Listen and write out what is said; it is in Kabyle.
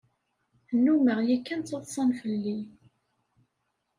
Nnumeɣ yakan ttaḍsan fell-i.